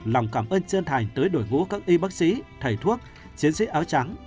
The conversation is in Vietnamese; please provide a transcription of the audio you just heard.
lòng cảm ơn chân thành tới đội ngũ các y bác sĩ thầy thuốc chiến sĩ áo trắng